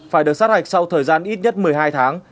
phải được sát hạch sau thời gian ít nhất một mươi hai tháng